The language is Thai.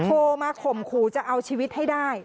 โทรมาข่มขู่จะเอาชีวิตให้ได้